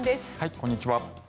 こんにちは。